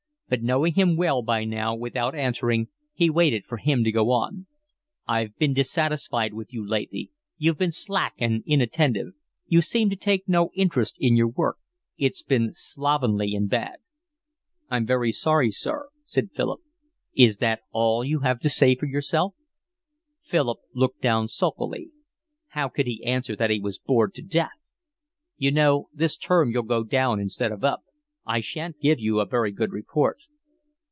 But knowing him well by now, without answering, he waited for him to go on. "I've been dissatisfied with you lately. You've been slack and inattentive. You seem to take no interest in your work. It's been slovenly and bad." "I'm very sorry, sir," said Philip. "Is that all you have to say for yourself?" Philip looked down sulkily. How could he answer that he was bored to death? "You know, this term you'll go down instead of up. I shan't give you a very good report."